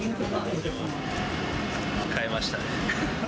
買えましたね。